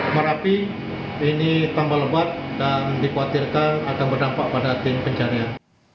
merapi ini tambah lebat dan dikhawatirkan akan berdampak pada tim pencarian